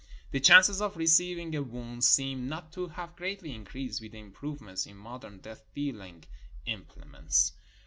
The chances of receiving a wound seem not to have greatly increased with the improvements in modern death dealing im 463 SOUTH AFRICA plements.